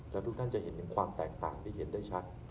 แล้วทุกท่านจะเห็นถึงความแตกต่างที่เห็นได้ชัด